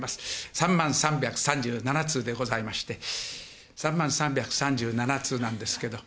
３万３３７通でございまして、３万３３７通なんですけど。